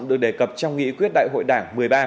được đề cập trong nghị quyết đại hội đảng một mươi ba